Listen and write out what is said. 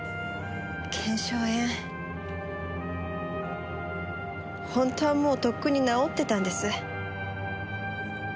腱鞘炎本当はもうとっくに治ってたんです。